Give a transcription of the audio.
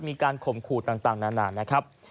มีการขมขู่ต่างนานนะครับ